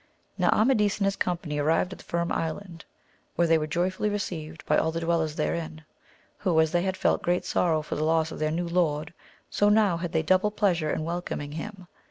Now Amadis and his company arrived at the Firm Island, where they were joyfully received by all the dwellers therein, who, as they had felt great sorrow for the loss of their new lord, so now had they double pleasure in welcoming him.